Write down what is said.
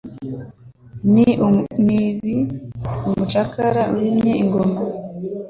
Ni ibi umucakara wimye ingoma